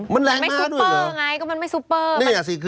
มันแรงม้าด้วยเหรอมันไม่ซุปเปอร์ไงก็มันไม่ซุปเปอร์